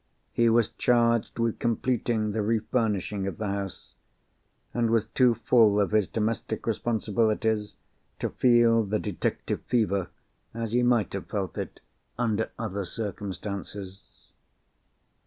He was charged with completing the refurnishing of the house, and was too full of his domestic responsibilities to feel the "detective fever" as he might have felt it under other circumstances.